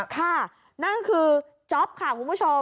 ค่ะนั่นคือจ๊อปค่ะคุณผู้ชม